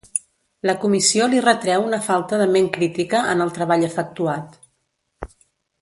La comissió li retreu una falta de ment crítica en el treball efectuat.